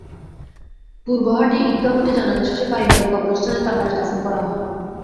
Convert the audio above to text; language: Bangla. পূর্বহাটি ঈদগাহ মাঠে জানাজা শেষে পারিবারিক কবরস্থানে তাঁর লাশ দাফন করা হয়।